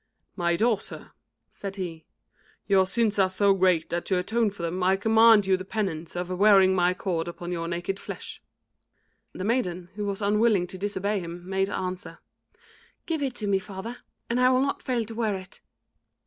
"My daughter," said he, "your sins are so great that to atone for them I command you the penance of wearing my cord upon your naked flesh." The maiden, who was unwilling to disobey him, made answer "Give it to me, father, and I will not fail to wear it."